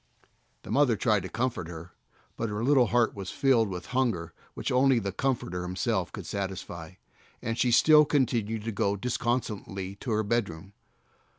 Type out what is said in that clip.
The mother tried to comfort her, but her little heart was filled with hunger which only the Comforter Himself could satisfy, and she still continued to go disconsolately to her bedroom.